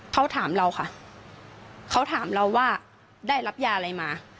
เขาถามเราค่ะเขาถามเราว่าได้รับยาอะไรมา